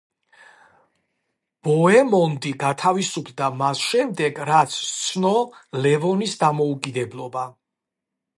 ბოემონდი გათავისუფლდა მას შემდეგ, რაც სცნო ლევონის დამოუკიდებლობა.